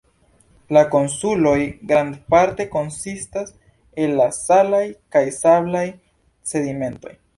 La insuloj grandparte konsistas el salaj kaj sablaj sedimentoj.